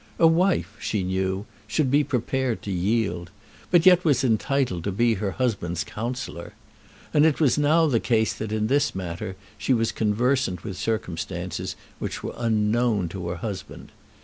A wife, she knew, should be prepared to yield, but yet was entitled to be her husband's counsellor. And it was now the case that in this matter she was conversant with circumstances which were unknown to her husband.